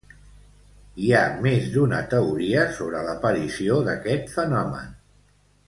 Hi ha més d'una teoria sobre l'aparició d'aquest fenomen.